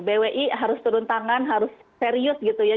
bwi harus turun tangan harus serius gitu ya